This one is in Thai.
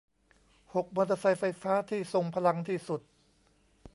หก มอเตอร์ไซค์ไฟฟ้าที่ทรงพลังที่สุด